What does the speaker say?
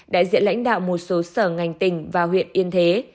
đại diện lãnh đạo một số sở ngành tỉnh và huyện yên thế